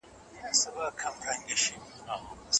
زه هره ورځ د بدن پاکوالي ته پاملرنه کوم.